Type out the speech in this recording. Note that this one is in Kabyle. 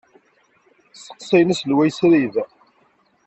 Sseqsayen aselway srid.